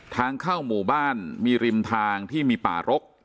ทางเข้าหมู่บ้านมีริมทางที่มีป่ารก